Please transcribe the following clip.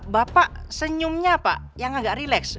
bapak senyumnya apa yang agak relax